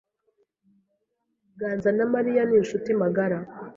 Ganza na Mariya ni inshuti magara.